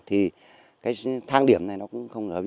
thì cái thang điểm này nó cũng không rõ